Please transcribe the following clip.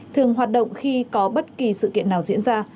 thường hoạt động khi có bất kỳ sự kiện nào diễn ra